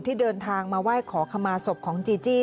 ที่เดินทางมาไหว้ขอขมาศพของจีจี้